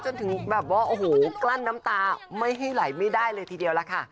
จนถึงแบบว่าโอ้โหกลั้นน้ำตาไม่ให้ไหลไม่ได้เลยทีเดียวล่ะค่ะ